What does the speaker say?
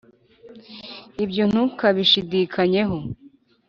ibyo ntukabishidikanyeho